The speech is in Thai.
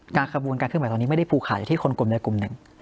การขบูกการขึ้นไหวตอนนี้ไม่ได้ผูกขาดอย่างที่คนกลุ่มรายกลุ่มหนึ่ง